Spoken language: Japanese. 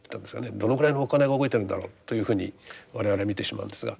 どのぐらいのお金が動いてるんだろうというふうに我々見てしまうんですが。